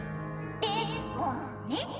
・でもね？